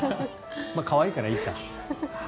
可愛いからいいか。